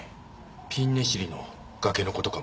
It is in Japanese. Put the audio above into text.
ピンネシリの崖の事かも。